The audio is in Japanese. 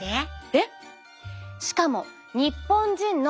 えっ！